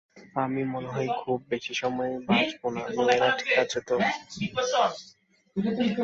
আমি মনে হয় খুব বেশি সময় বাঁচব না মেয়েরা ঠিক আছে তো?